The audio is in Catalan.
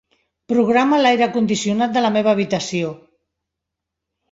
Programa l'aire condicionat de la meva habitació.